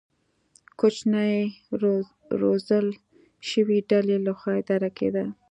کوچنۍ روزل شوې ډلې له خوا اداره کېده.